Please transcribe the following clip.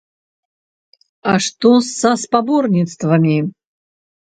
А што са спаборніцтвамі?